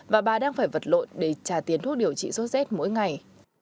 và bà đang phải vật lộn để trả tiền thuốc điều trị sốt rét mỗi ngày